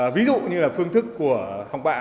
ví dụ như là phương thức của học bạ